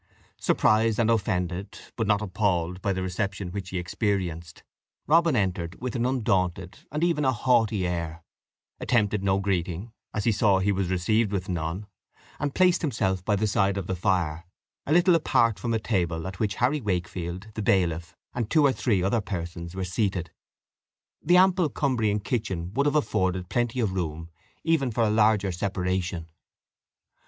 Surprised and offended, but not appalled, by the reception which he experienced, Robin entered with an undaunted and even a haughty air, attempted no greeting, as he saw he was received with none, and placed himself by the side of the fire, a little apart from a table at which Harry Wakefield, the bailiff, and two or three other persons were seated. The ample Cumbrian kitchen would have afforded plenty of room, even for a larger separation.